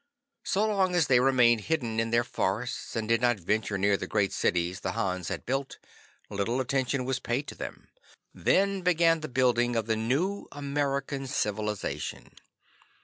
So long as they remained hidden in their forests, and did not venture near the great cities the Hans had built, little attention was paid to them. Then began the building of the new American civilization.